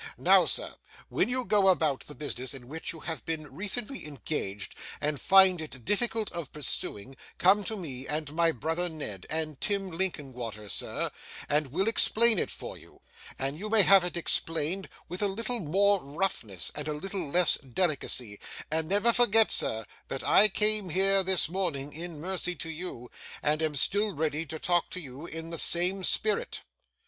Now, sir, when you go about the business in which you have been recently engaged, and find it difficult of pursuing, come to me and my brother Ned, and Tim Linkinwater, sir, and we'll explain it for you and come soon, or it may be too late, and you may have it explained with a little more roughness, and a little less delicacy and never forget, sir, that I came here this morning, in mercy to you, and am still ready to talk to you in the same spirit.